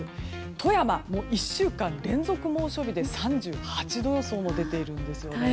富山も１週間連続猛暑日で３８度予想も出ているんですね。